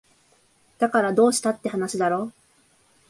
だからどうしたって話だろ